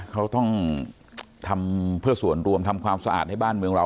เขาต้องทำเพื่อส่วนรวมทำความสะอาดให้บ้านเมืองเรา